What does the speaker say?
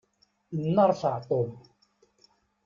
Inneṛfaɛ Tom.